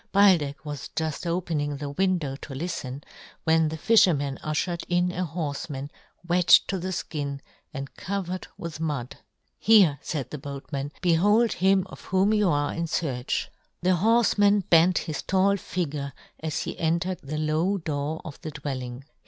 Beildech was juft opening the window to Uften, when the fifherman ufliered in a horfeman wet to the fkin, and covered with mud. " Here," faid the boatman, " behold him of whom you are in fearch." The horfeman bent his tall figure as he entered the low door of the dwelling.